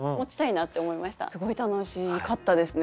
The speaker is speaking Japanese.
すごい楽しかったですね。